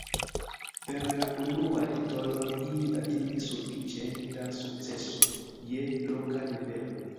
Per la unuaj titoloj ili atingis sufiĉe da sukceso je loka nivelo.